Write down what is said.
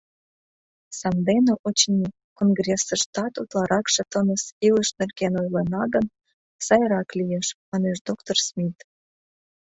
Сандене, очыни, конгрессыштат утларакше тыныс илыш нерген ойлена гын, сайрак лиеш, — манеш доктор Смит.